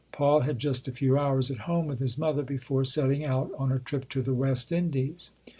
Paul had just a few hours at home with his mother before setting out on a trip to the West Indies.